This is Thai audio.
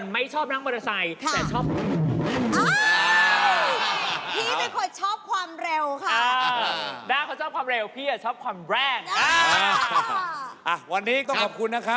ไม่เป็นไรนะฮิปปี้